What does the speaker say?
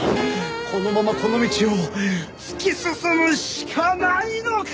このままこの道を突き進むしかないのか！